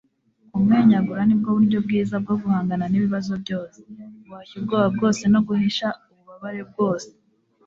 kumwenyura ni bwo buryo bwiza bwo guhangana n'ibibazo byose, guhashya ubwoba bwose no guhisha ububabare bwose